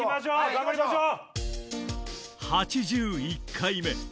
頑張りましょう！